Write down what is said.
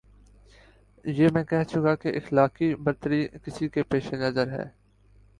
یہ میں کہہ چکا کہ اخلاقی برتری کسی کے پیش نظر ہے۔